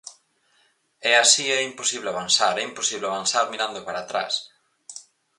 E así é imposible avanzar é imposible avanzar mirando para atrás.